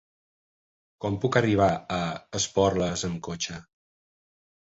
Com puc arribar a Esporles amb cotxe?